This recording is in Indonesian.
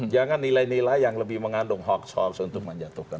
jangan nilai nilai yang lebih mengandung hoax hoax untuk menjatuhkan